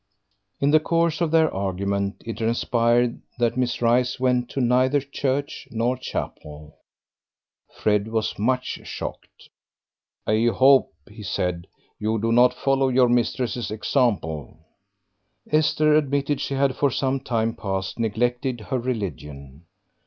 In the course of their argument it transpired that Miss Rice went to neither church nor chapel. Fred was much shocked. "I hope," he said, "you do not follow your mistress's example." Esther admitted she had for some time past neglected her religion.